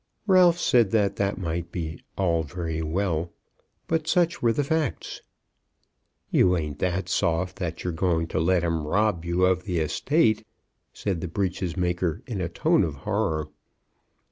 Ralph said that that might be all very well, but such were the facts. "You ain't that soft that you're going to let 'em rob you of the estate?" said the breeches maker in a tone of horror.